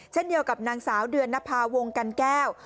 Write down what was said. เช่นเดียวกับนางสาวเดือนนภาวงกันแก้ว